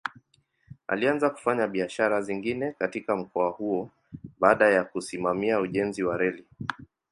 Alianza kufanya biashara zingine katika mkoa huo baada ya kusimamia ujenzi wa reli.